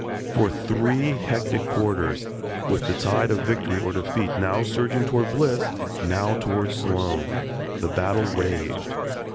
For three hectic quarters, with the tide of victory or defeat now surging towards Bliss now towards Sloan, the battle raged.